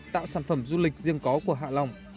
tạo sản phẩm du lịch riêng có của hạ long